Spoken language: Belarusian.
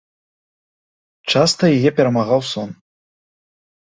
Часта яе перамагаў сон.